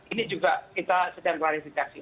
ini juga kita sedang klarifikasi